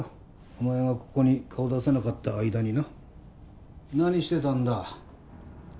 お前がここに顔出さなかった間にな何してたんだ？